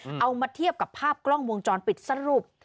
เอามาเทียบกับภาพกล้องวงจรปิดสรุป